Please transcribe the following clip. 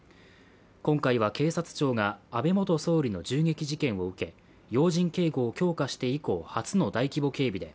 今回は警察庁が安倍元総理の銃撃事件を受け要人警護を強化して以降初の大規模警備で